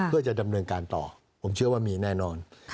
เพื่อจะดำเนินการต่อผมเชื่อว่ามีแน่นอน